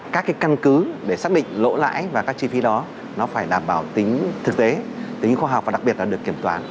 các cái căn cứ để xác định lỗ lãi và các chi phí đó nó phải đảm bảo tính thực tế tính khoa học và đặc biệt là được kiểm toán